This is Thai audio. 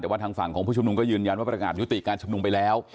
แต่ว่าทางฝั่งของผู้ชุมนุมก็ยืนยันว่าประกาศยุติการชุมนุมไปแล้ว